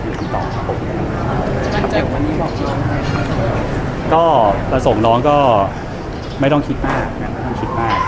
ประสงค์น้องก็ไม่ต้องคิดมาก